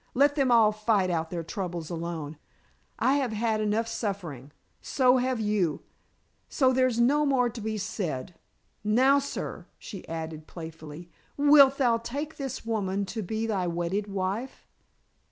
"Let them all fight out their troubles alone. I have had enough suffering; so have you. So there's no more to be said. Now, sir," she added playfully, "wilt thou take this woman to be thy wedded wife?"